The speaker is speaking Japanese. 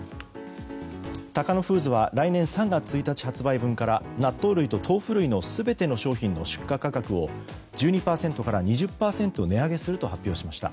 タカノフーズは来年３月１日発売分から納豆類と豆腐類の全ての商品の出荷価格を１２％から２０％値上げすると発表しました。